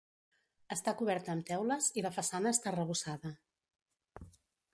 Està coberta amb teules i la façana està arrebossada.